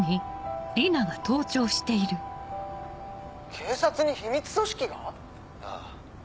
警察に秘密組織が⁉ああ。